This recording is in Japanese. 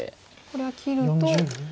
これは切ると。